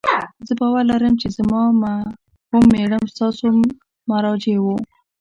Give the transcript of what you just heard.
زه باور لرم چې زما مرحوم میړه ستاسو مراجع و